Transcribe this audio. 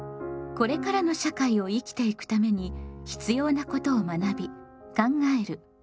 これからの社会を生きていくために必要なことを学び考える「公共」。